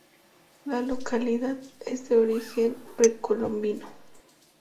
La localidad es de origen precolombino.